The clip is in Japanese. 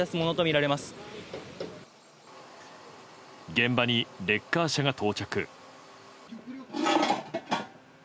現場にレッカー車が到着。